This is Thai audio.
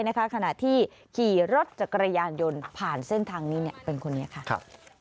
ขณะที่ขี่รถจักรยานยนต์ผ่านเส้นทางนี้เป็นคนนี้ค่ะ